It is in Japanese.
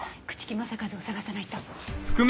朽木政一を捜さないと。